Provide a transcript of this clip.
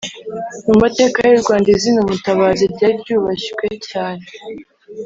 Mu mateka y’u Rwanda izina “Umutabazi” ryari ryubashywe cyane